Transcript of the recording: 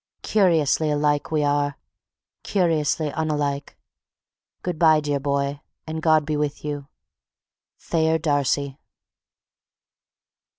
curiously alike we are... curiously unlike. Good by, dear boy, and God be with you. THAYER DARCY.